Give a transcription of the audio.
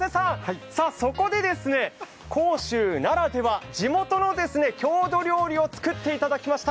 そこで甲州ならでは、地元の郷土料理を作っていただきました。